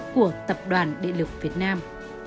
của tập đoàn đệ lực việt nam